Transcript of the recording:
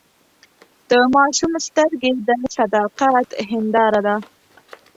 د ماشوم سترګې د صداقت هنداره ده.